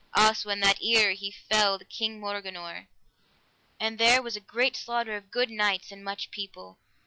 Also in that ire he felled King Morganore, and there was great slaughter of good knights and much people.